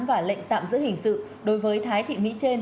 và lệnh tạm giữ hình sự đối với thái thị mỹ trên